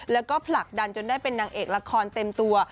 แล้วก็ผลักดันจนได้เป็นนางเอกละครเต็มตัว